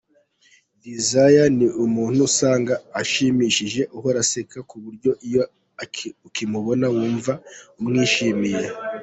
Désiré ni umuntu usanga ashimishije, ahora aseka , ku buryo iyo ukimubona wumva umwishimiye.